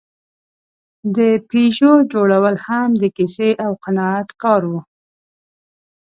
د پيژو جوړول هم د کیسې او قناعت کار و.